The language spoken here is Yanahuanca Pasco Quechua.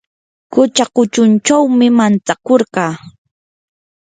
qucha kuchunchawmi mantsakurqaa.